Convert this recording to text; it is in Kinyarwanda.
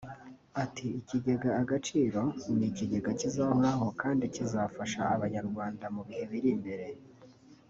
ati “Ikigega Agaciro ni ikigega kizahoraho kandi kizafasha Abanyarwanda mu bihe biri imbere